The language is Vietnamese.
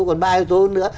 còn ba yếu tố nữa